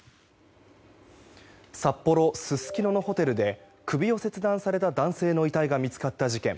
札幌・すすきののホテルで首を切断された男性の遺体が見つかった事件